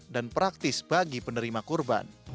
dan praktis bagi penerima kurban